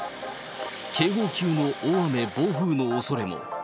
警報級の大雨、暴風のおそれも。